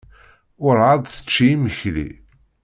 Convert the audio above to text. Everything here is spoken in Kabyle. Werɛad tečči imekli.